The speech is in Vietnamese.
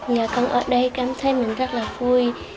nhà con ở đây cảm thấy mình rất là vui